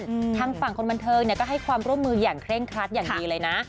ทางฝั่งคนบันเทิงเนี้ยก็ให้ความร่วมมืออย่างเคร่งครัดอย่างดีเลยนะ